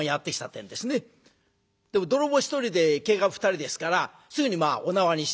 でも泥棒１人で警官２人ですからすぐにまあお縄にして。